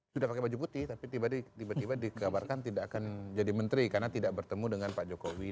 sudah pakai baju putih tapi tiba tiba dikabarkan tidak akan jadi menteri karena tidak bertemu dengan pak jokowi